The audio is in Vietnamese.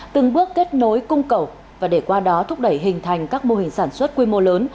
từng bước kết nối cung cầu và để qua đó thúc đẩy hình thành các mô hình sản xuất quy mô lớn